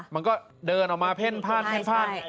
มันก็เดินออกมาเพ่นผ้าน